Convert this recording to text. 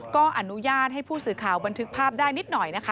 ก็อนุญาตให้ผู้สื่อข่าวบันทึกภาพได้นิดหน่อยนะคะ